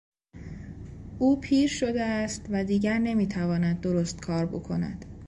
او پیر شده است و دیگر نمیتواند درست کار بکند.